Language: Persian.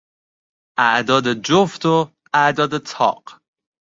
اعداد جفت و اعداد تاق